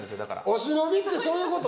お忍びってそういうこと？